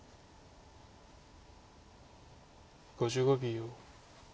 ５５秒。